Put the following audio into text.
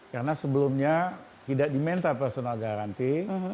karena sebelumnya tidak dimenta personal garanti